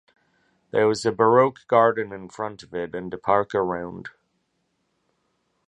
There was a Baroque garden in front of it and a park around.